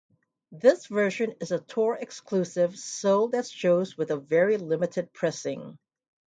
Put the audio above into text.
This version is a Tour Exclusive sold at shows with a very limited pressing.